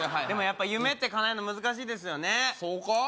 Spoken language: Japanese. でもやっぱ夢ってかなえんの難しいですよねそうか？